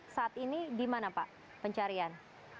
saat ini di mana pak pencarian